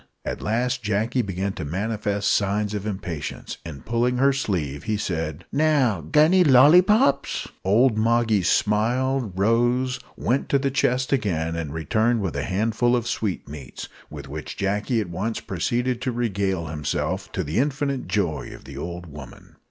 At last Jacky began to manifest signs of impatience, and, pulling her sleeve, he said "Now, g'anny, lollipops!" Old Moggy smiled, rose, went to the chest again, and returned with a handful of sweetmeats, with which Jacky at once proceeded to regale himself, to the infinite joy of the old woman.